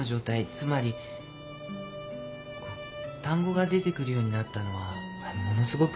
つまり単語が出てくるようになったのはものすごくいい状態で。